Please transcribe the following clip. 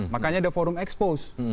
makanya ada forum expose